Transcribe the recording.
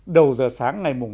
đầu giờ sáng ngày năm